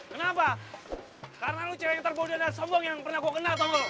kenapa karena lo cewek yang terbodoh dan sombong yang pernah gue kenal tolong